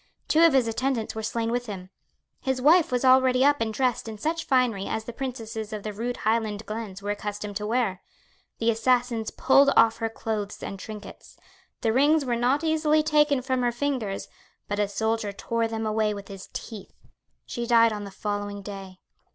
Two of his attendants were slain with him. His wife was already up and dressed in such finery as the princesses of the rude Highland glens were accustomed to wear. The assassins pulled off her clothes and trinkets. The rings were not easily taken from her fingers but a soldier tore them away with his teeth. She died on the following day.